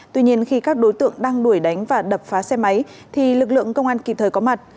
tuy nhiên khi các đối tượng đang đuổi đánh và đập phá xe máy thì lực lượng công an kịp thời có mặt